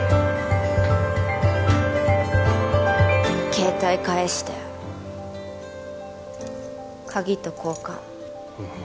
携帯返して鍵と交換お前